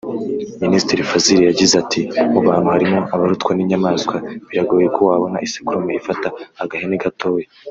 Minisitiri Fazil yagize ati “Mu bantu harimo abarutwa n’inyamaswa; biragoye ko wabona isekurume ifata agahene gatoya